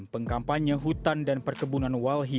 pengkampanye hutan dan perkebunan walhi